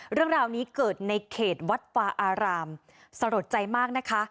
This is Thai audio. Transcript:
เรื่องราวนี้เกิดในเขตวัดฟาอารามสลดใจมากนะคะ